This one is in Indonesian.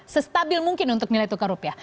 sestabil mungkin untuk nilai tukar rupiah